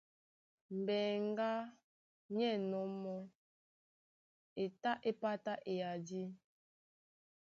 Mbeŋgá ní ɛ̂nnɔ́ mɔ́, e tá é pátá eyadí.